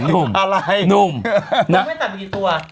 ก็ไม่ตัดกี่ตัว